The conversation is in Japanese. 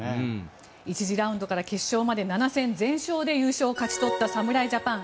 １次ラウンドから決勝まで７戦全勝で優勝を勝ち取った侍ジャパン。